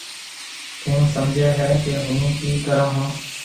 ٿُون سمجهيََ هيَ ڪي هُون ڪِي ڪرون هون۔